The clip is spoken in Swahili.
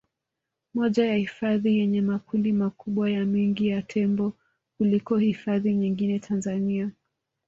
Moja ya hifadhi yenye makundi makubwa na mengi ya Tembo kuliko hifadhi nyingine Tanzania